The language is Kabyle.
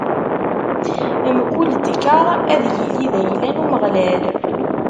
Mkul dkeṛ ad yili d ayla n Umeɣlal.